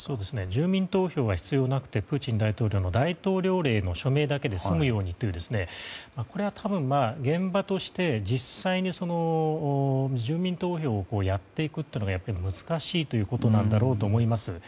住民投票が必要になってプーチン大統領の大統領令の署名だけで済むようにというこれは多分、現場として実際に住民投票をやっていくというのがやっぱり難しいということなんだろうと思います。